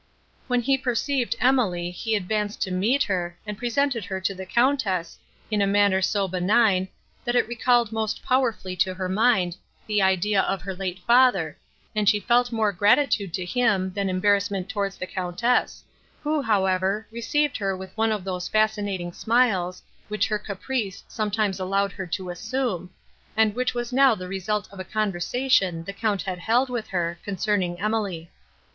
When he perceived Emily, he advanced to meet her, and presented her to the Countess, in a manner so benign, that it recalled most powerfully to her mind the idea of her late father, and she felt more gratitude to him, than embarrassment towards the Countess, who, however, received her with one of those fascinating smiles, which her caprice sometimes allowed her to assume, and which was now the result of a conversation the Count had held with her, concerning Emily.